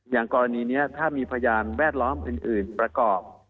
อย่างกรณีนี้ถ้ามีพยานแวดล้อมอื่นประกอบ